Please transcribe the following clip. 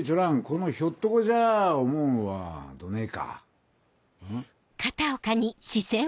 このひょっとこじゃあ思うんはどねぇかん？